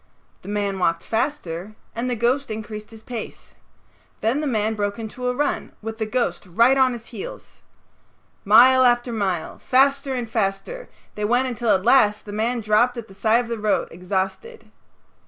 The man walked faster and the ghost increased his pace. Then the man broke into a run with the ghost right on his heels. Mile after mile, faster and faster, they went until at last the man dropped at the side of the road exhausted.